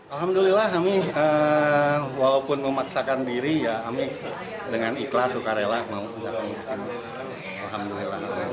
alhamdulillah ami walaupun memaksakan diri ami dengan ikhlas suka rela mau datang ke sini